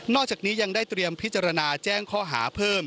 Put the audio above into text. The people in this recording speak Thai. นอกจากนี้ยังได้พิจารณาแจ้งข้อหาเพิ่ม